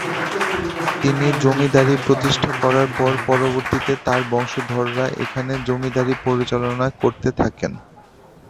তিনি জমিদারী প্রতিষ্ঠা করার পর পরবর্তীতে তার বংশধররা এখানে জমিদারী পরিচালনা করতে থাকেন।